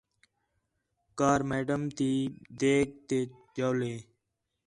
کار میڈم تی دیگ تے جَولے